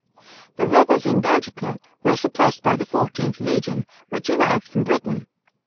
The rebels in Belgica were suppressed by the XlVth legion, which arrived from Britain.